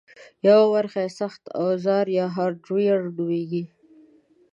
یوه برخه یې سخت اوزار یا هارډویر نومېږي